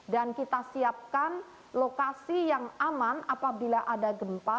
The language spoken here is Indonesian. dan kita siapkan lokasi yang aman apabila ada gempa